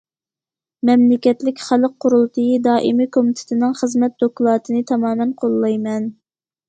مەملىكەتلىك خەلق قۇرۇلتىيى دائىمىي كومىتېتىنىڭ خىزمەت دوكلاتىنى تامامەن قوللايمەن.